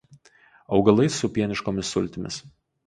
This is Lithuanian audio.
Augalai su pieniškomis sultimis.